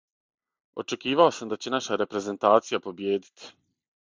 Очекивао сам да ће наша репрезентација побиједити.